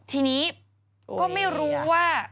ทีนี้ก็ไม่รู้ว่า